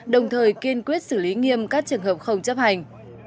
đồng thời kiên quyết xử lý nghiêm các trường hợp không chấp hành